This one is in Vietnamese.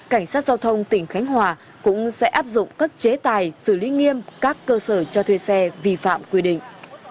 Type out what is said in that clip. cảnh sát giao thông tỉnh khánh hòa cũng sẽ áp dụng các chế tài xử lý nghiêm các cơ sở cho thuê xe vi phạm quy định